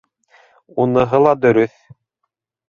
Уныһы ла дөрөҫ.